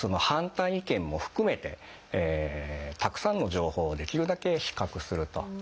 反対意見も含めてたくさんの情報をできるだけ比較すると。